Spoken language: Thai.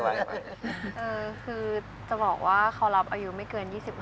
เออคือจะบอกว่าเขารับอายุไม่เกือบ๒๕ค่ะ